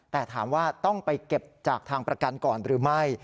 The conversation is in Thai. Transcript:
แต่ถามว่าต้องไปเก็บจากทางประกันก่อนหรือไม่